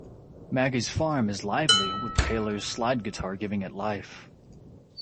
Maggie's Farm is lively with Taylors slide guitar giving it life.